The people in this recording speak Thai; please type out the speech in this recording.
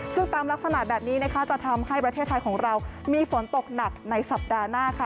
ซึ่งตามลักษณะแบบนี้นะคะจะทำให้ประเทศไทยของเรามีฝนตกหนักในสัปดาห์หน้าค่ะ